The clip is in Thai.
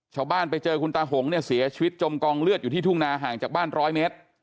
ชาวบ้านไปเจอคุณตาหงเนี่ยเสียชีวิตจมกองเลือดอยู่ที่ทุ่งนาห่างจากบ้านร้อยเมตร